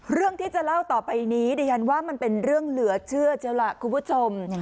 เรื่องที่จะเล่าต่อไปนี้ดิฉันว่ามันเป็นเรื่องเหลือเชื่อล่ะคุณผู้ชม